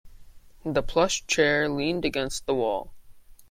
The plush chair leaned against the wall.